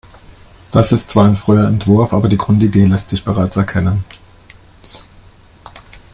Das ist zwar ein früher Entwurf, aber die Grundidee lässt sich bereits erkennen.